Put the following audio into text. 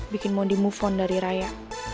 bikin mondi move on dari raya